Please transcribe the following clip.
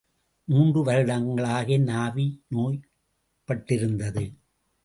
மூன்று வருடங்களாக என் ஆவி நோய்ப் பட்டிருந்தது.